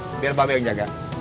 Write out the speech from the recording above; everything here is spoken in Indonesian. mendingan kita istirahat aja